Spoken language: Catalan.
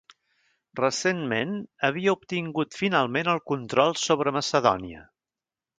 Recentment havia obtingut finalment el control sobre Macedònia.